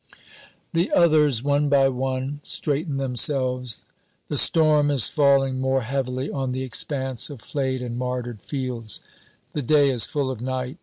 The others, one by one, straighten themselves. The storm is falling more heavily on the expanse of flayed and martyred fields. The day is full of night.